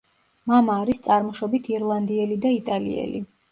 მამა არის წარმოშობით ირლანდიელი და იტალიელი.